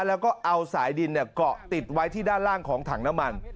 แล้วก็เอาสายดินเกาะติดไว้ที่ด้านล่างของถังน้ำมัน